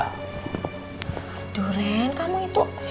aduh ren kamu itu